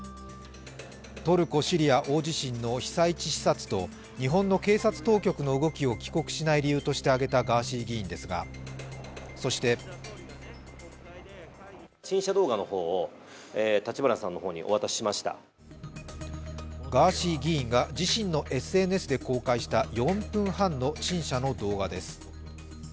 トルコ・シリア大地震の被災地視察と日本の警察当局の動きを帰国しない理由として挙げたガーシー議員ですが、そしてガーシー議員が自身のＳＮＳで公開した４分半の陳謝の動画です。